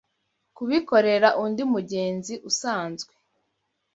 kubikorera undi mugenzi usanzwe